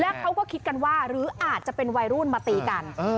แล้วเขาก็คิดกันว่าหรืออาจจะเป็นวัยรุ่นมาตีกัน